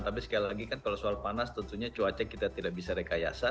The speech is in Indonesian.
tapi sekali lagi kan kalau soal panas tentunya cuaca kita tidak bisa rekayasa